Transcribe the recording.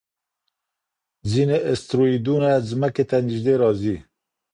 ځینې اسټروېډونه ځمکې ته نږدې راځي.